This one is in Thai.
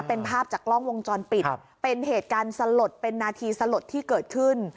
เป็นภาพจากกล้องวงจรปิดเป็นเหตุการณ์สลดเป็นนาทีสลดที่เกิดขึ้น